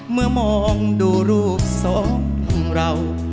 เมื่อมองดูรูปสองเรา